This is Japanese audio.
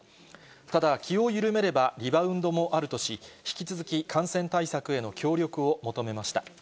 ただ、気を緩めればリバウンドもあるとし、引き続き感染対策への協力を求めました。